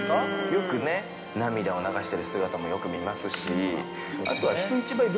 よくね、涙を流したりする姿もよく見ますし。